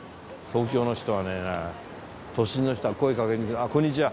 東京の人はね都心の人は声かけにくいこんにちは。